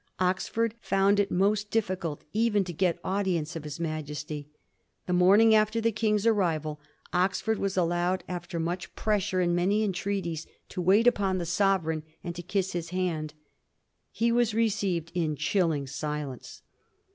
Oxford found it most difficult even to get audience of his Majesty. The morning after the King's arrival, Oxford was al lowed, after much pressure and many entreaties, to wait upon the Sovereign, and to kiss his hand. He was received in chilling silence.